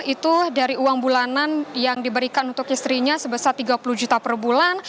itu dari uang bulanan yang diberikan untuk istrinya sebesar tiga puluh juta per bulan